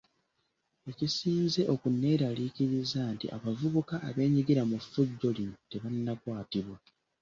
Ekisinze okunneeraliikiriza nti abavubuka abeenyigira mu ffujjo lino bo tebannakwatibwa.